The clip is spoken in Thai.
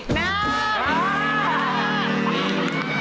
นั่น